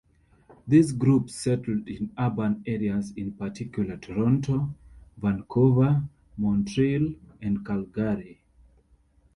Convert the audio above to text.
These groups settled in urban areas, in particular Toronto, Vancouver, Montreal, and Calgary.